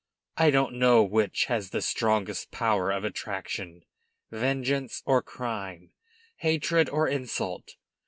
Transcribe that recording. I don't know which has the strongest power of attraction, vengeance or crime, hatred or insult.